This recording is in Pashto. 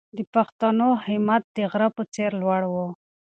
د پښتنو همت د غره په څېر لوړ و.